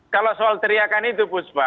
kalau soal teriakan itu bu sba